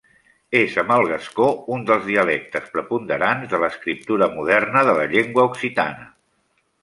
És amb el gascó un dels dialectes preponderants de l'escriptura moderna de la llengua occitana.